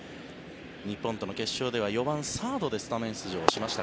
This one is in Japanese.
日本との決勝では４番サードでスタメン出場しました